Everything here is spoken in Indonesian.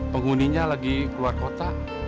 pengguninya lagi keluar kota